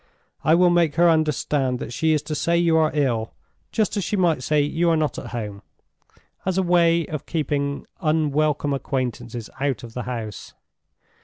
I will make her understand that she is to say you are ill, just as she might say you are not at home, as a way of keeping unwelcome acquaintances out of the house.